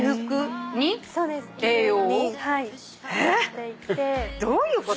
えっ⁉どういうこと？